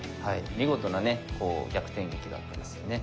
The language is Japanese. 見事なね逆転劇だったですよね。